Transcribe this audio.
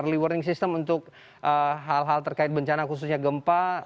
earl warning system untuk hal hal terkait bencana khususnya gempa